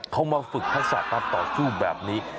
เขามาฝึกทักษะมาต่อสู้แบบนี้